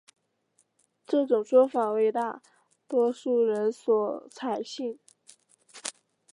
这种说法为大多数人所采信。